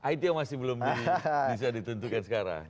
idea masih belum bisa ditentukan sekarang